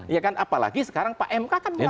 ya kan apalagi sekarang pak mk kan